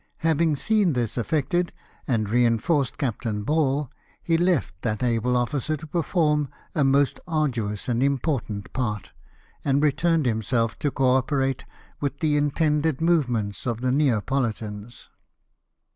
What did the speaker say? Having seen this effected, and reinforced Captain Ball, he left that able officer to perform a most arduous and important part, and returned himseK to co operate with the intended movements of the Neapolitans.